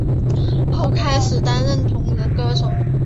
后开始担任同人歌手。